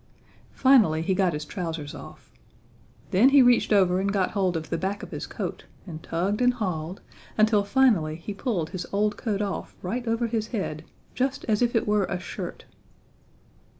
Finally he got his trousers off. Then he reached over and got hold of the back of his coat and tugged and hauled until finally he pulled his old coat off right over his head just as if it were a shirt.